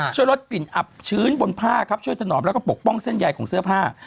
ช่วยลดกลิ่นอับชื้นบนผ้าครับช่วยถนอมแล้วก็ปกป้องเส้นใยของเสื้อผ้า